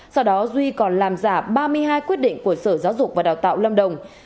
sau đó duy còn làm giả ba mươi hai quyết định của sở giáo dục và đào tạo lâm đồng